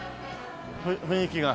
雰囲気が。